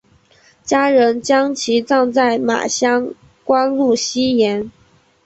家人将其葬在马乡官路西沿。